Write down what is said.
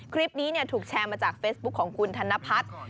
คลิปนี้ถูกแชร์มาจากเฟซบุ๊คของคุณธนพัฒน์